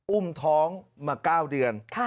อุ้มท้องมา๙เดือน